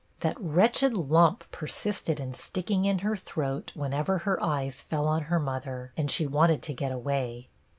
That wretched lump persisted in sticking in her throat whenever her eyes fell on her mother, and she wanted to get away.